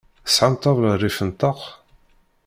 Tesɛam ṭabla rrif n ṭaq?